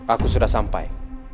aku sudah sampai